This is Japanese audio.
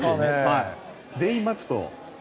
全員を待つと。